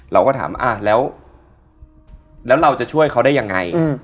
เราก็ถามว่าแล้วเราจะช่วยเขาได้ยังไง